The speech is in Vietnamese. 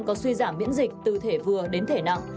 có suy giảm miễn dịch từ thể vừa đến thể nặng